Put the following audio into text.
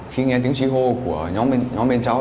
khi nghe tiếng trí hô của nhóm bên cháu